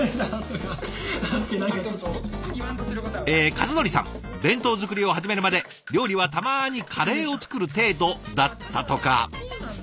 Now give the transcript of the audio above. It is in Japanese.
え和範さん弁当作りを始めるまで料理はたまにカレーを作る程度だったとか。